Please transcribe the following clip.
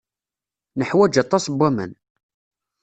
Neḥwaj aṭas n waman.